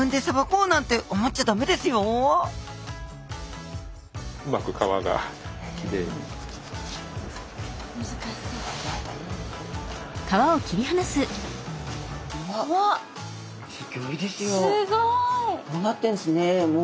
こうなってんですね。